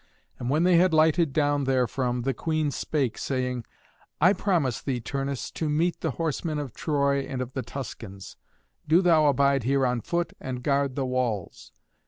And when they had lighted down therefrom, the Queen spake, saying, "I promise thee, Turnus, to meet the horsemen of Troy and of the Tuscans. Do thou abide here on foot and guard the walls."